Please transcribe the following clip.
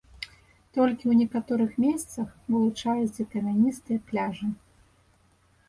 Толькі ў некаторых месцах вылучаюцца камяністыя пляжы.